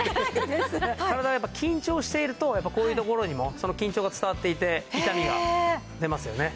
体がやっぱり緊張しているとこういうところにもその緊張が伝わっていて痛みが出ますよね。